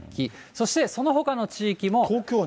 そしてそのほかの地域も。